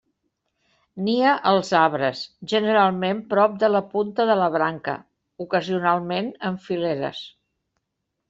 Nia als arbres, generalment prop de la punta de la branca, ocasionalment en fileres.